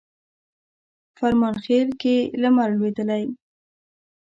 فرمانخیل کښي لمر لوېدلی